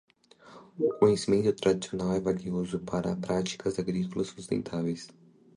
O conhecimento tradicional é valioso para práticas agrícolas sustentáveis.